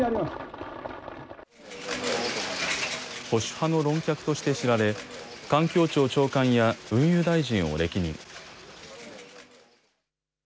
保守派の論客として知られ環境庁長官や運輸大臣を歴任。